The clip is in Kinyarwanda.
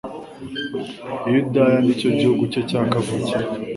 I Yudaya ni cyo gihugu cye cya kavukire.